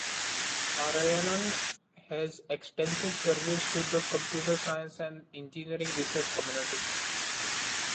Narayanan has extensive service to the Computer Science and Engineering research community.